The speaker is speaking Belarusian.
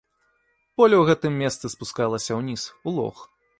Поле ў гэтым месцы спускалася ўніз, у лог.